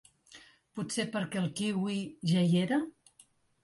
Potser perquè el kiwi ja hi era?